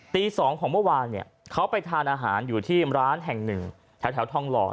ตีสองของเมื่อวานเขาไปทานอาหารอยู่ที่ร้าน๑แถวทองหล่อ